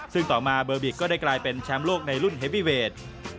ซึ่งต่อมาเบอร์บิกก็ได้กลายเป็นแชมป์โลกในรุ่นเฮวีเวท